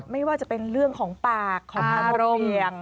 ไม่ว่าจะเป็นเรื่องของปากของอารมณ์